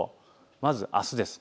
まずあすです。